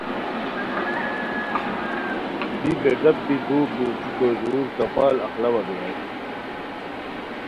بی بے ڈاپ بی دورتو اوتیکو ژور کپال اخلاوا بیرائے